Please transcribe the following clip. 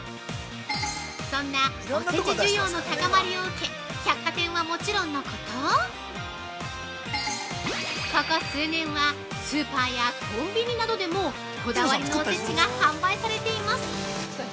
そんなおせち需要の高まりを受け、百貨店はもちろんのことここ数年はスーパーやコンビニなどでもこだわりのおせちが販売されています。